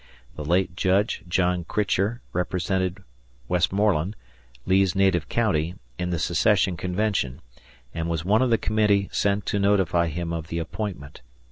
The late Judge John Critcher represented Westmoreland, Lee's native county, in the secession convention, and was one of the committee sent to notify him of the appointment.